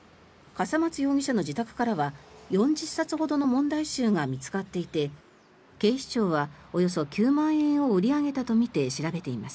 笠松容疑者の自宅からは４０冊ほどの問題集が見つかっていて警視庁はおよそ９万円を売り上げたとみて調べています。